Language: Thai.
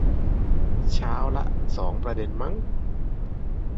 เช้าละสองประเด็นมั้ง